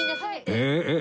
えっ？